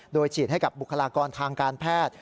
โดยฉีดให้กับบุคลากรทางการแพทย์